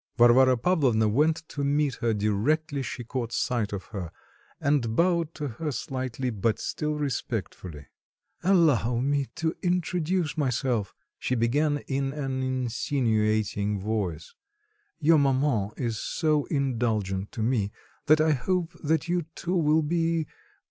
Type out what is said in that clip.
Varvara Pavlovna went to meet her directly she caught sight of her, and bowed to her slightly, but still respectfully. "Allow me to introduce myself," she began in an insinuating voice, "your maman is so indulgent to me that I hope that you too will be...